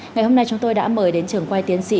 ngày hôm nay chúng tôi đã mời đến trường quay tiến sĩ